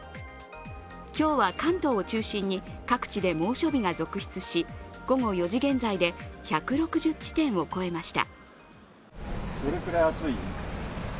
今日は関東を中心に各地で猛暑日が続出し、午後４時現在で１６０地点を超えました。